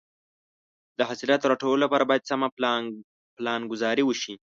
د حاصلاتو د راټولولو لپاره باید سمه پلانګذاري وشي.